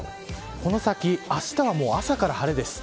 この先あしたは、もう朝から晴れです。